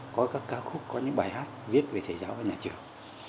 có các ca khúc có những bài hát viết về thầy giáo và nhà trường